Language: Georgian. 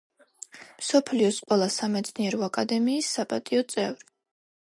მსოფლიოს ყველა სამეცნიერო აკადემიის საპატიო წევრი.